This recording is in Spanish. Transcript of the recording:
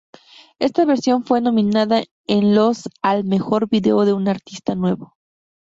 Esta versión fue nominada en los al Mejor video de un artista nuevo.